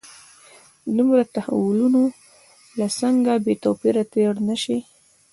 دومره تحولونو له څنګه بې توپیره تېر نه شي.